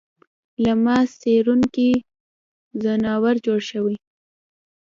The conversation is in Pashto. له ما څېرونکی ځناور جوړ شوی